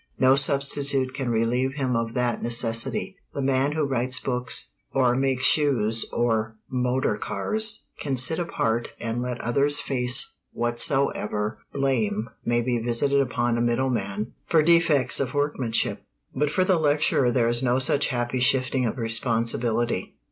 No substitute can relieve him of that necessity. The man who writes books, or makes shoes or motor cars, can sit apart and let others face whatsoever blame may be visited upon a middle man for defects of workmanship; but for the lecturer there is no such happy shifting of responsibility.